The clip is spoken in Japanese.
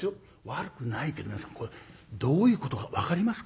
悪くないけど皆さんこれどういうことか分かりますか？